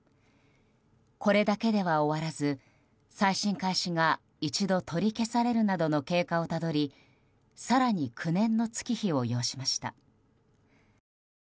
これだけでは終わらず再審開始が一度取り消されるなどの経過をたどり更に９年の月日を要しました。